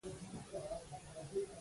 خټکی د باغوان ویاړ دی.